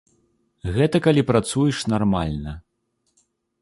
Гэта калі працуеш нармальна.